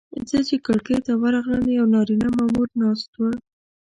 زه چې کړکۍ ته ورغلم یو نارینه مامور ناست و.